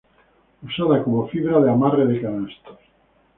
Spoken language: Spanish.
Usada como fibra de amarre de canastos.